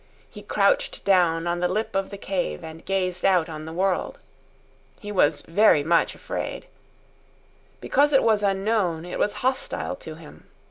He crouched down on the lip of the cave and gazed out on the world. He was very much afraid. Because it was unknown, it was hostile to him.